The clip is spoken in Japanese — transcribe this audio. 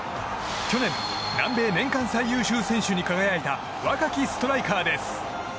去年、南米年間最優秀選手に輝いた若きストライカーです。